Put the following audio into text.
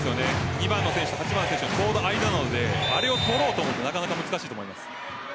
２番の選手８番の選手との間なのであれを取ろうと思うとなかなか難しいと思います。